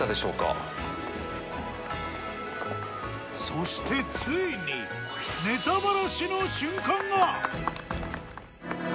そしてついにネタバラシの瞬間が！